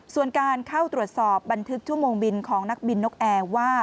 ส่วนการเข้าตรวจสอบบันทึกชั่วโมงบินนกแอว่า